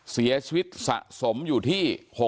เสียชีวิตสะสมอยู่ที่